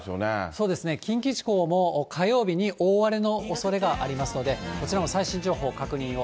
そうですね、近畿地方も火曜日に大荒れのおそれがありますので、こちらも最新情報を確認を。